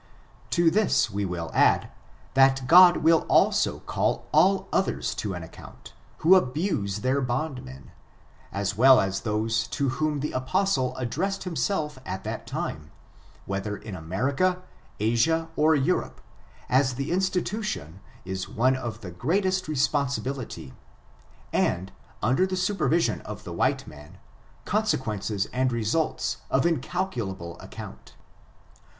To this we will add, that God will also call all others to an account, who abuse their bondmen, as well as those to whom the apostle addressed himself at that time, whether in America, Asia, or Europe, as the institution is one of the greatest responsibility, and, under the supervision of the white man, consequences and results of incal culable amount.